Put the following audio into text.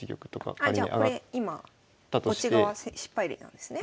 あじゃあこれ今こっち側失敗例なんですね？